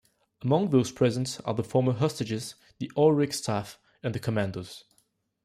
Among those present are the former hostages, the oil rig staff and the commandos.